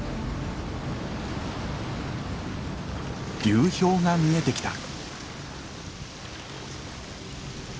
流氷が見えてきた。